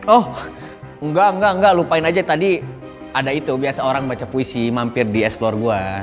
oh enggak enggak lupain aja tadi ada itu biasa orang baca puisi mampir di esplor gue